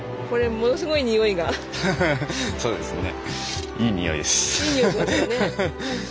そうですね。